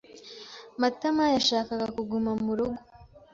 Matama yashakaga kuguma mu rugo.